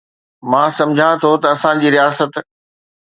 مان سمجهان ٿو ته اسان جي رياست